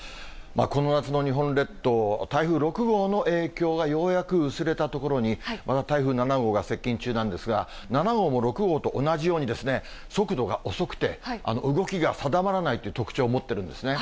この夏の日本列島、台風６号の影響がようやく薄れたところに、また台風７号が接近中なんですが、７号も６号と同じように、速度が遅くて、動きが定まらないという特徴を持ってるんですね。